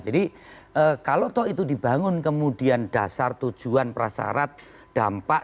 jadi kalau itu dibangun kemudian dasar tujuan prasarat dampak